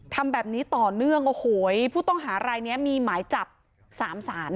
ทำแบบนี้ต่อเนื่องโอ้โหผู้ต้องหารายนี้มีหมายจับ๓ศาล